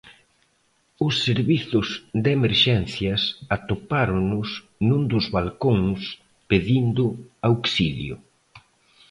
Os servizos de emerxencias atopáronos nun dos balcóns pedindo auxilio.